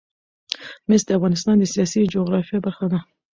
مس د افغانستان د سیاسي جغرافیه برخه ده.